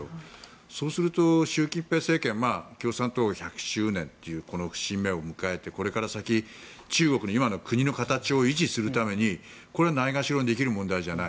そうすると習近平政権共産党１００周年というこの節目を迎えてこれから先中国の今の国の形を維持するためにこれはないがしろにできる問題ではない。